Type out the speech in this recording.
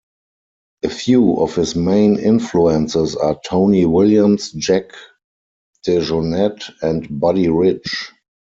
A few of his main influences are Tony Williams, Jack DeJohnette and Buddy Rich.